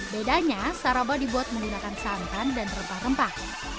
bedanya saraba dibuat menggunakan santan dan rempah rempah